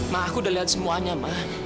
ma aku udah lihat semuanya ma